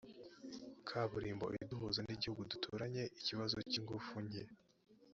kaburimbo iduhuza n ibihugu duturanye ikibazo cy ingufu nke